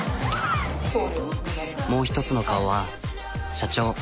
もう一つの顔は社長。